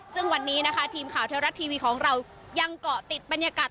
ซึ่งวันนี้นะคะทีมข่าวเทวรัฐทีวีของเรายังเกาะติดบรรยากาศ